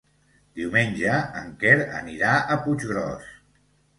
Diumenge en Quer anirà a Puiggròs.